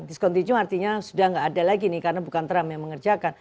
diskontinu artinya sudah tidak ada lagi nih karena bukan trump yang mengerjakan